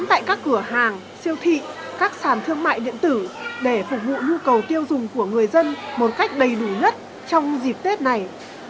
tại các cửa hàng siêu thị các sản thương mại điện tử để phục vụ nhu cầu tiêu dùng của người dân một cách đầy đủ nhất trong dịp tết này